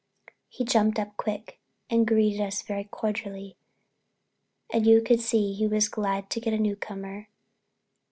He jumped up quick and greeted us very cordial and you could see he was glad to get a customer.